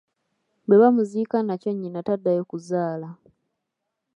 Bwe bamuziika naky'o nnyina taddayo kuzaala.